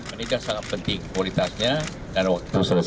ini adalah sangat penting kualitasnya dan waktu